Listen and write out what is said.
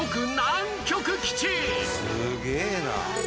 すげえな！